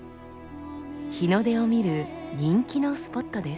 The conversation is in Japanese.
日の出を見る人気のスポットです。